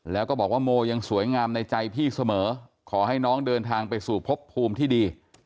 แล้วก็บอกว่าโมยังสวยงามในใจพี่เสมอขอให้น้องเดินทางไปสู่พบภูมิที่ดี